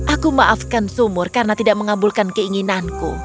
aku maafkan sumur karena tidak mengabulkan keinginanku